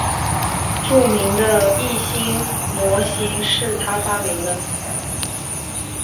著名的易辛模型是他发明的。